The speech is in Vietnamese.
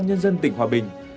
do nhân dân tỉnh hòa bình